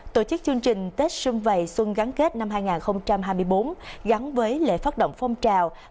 tổ chức chương trình tết xuân vầy xuân gắn kết năm hai nghìn hai mươi bốn gắn với lễ phát động phong trào